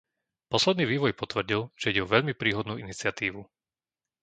Posledný vývoj potvrdil, že ide o veľmi príhodnú iniciatívu.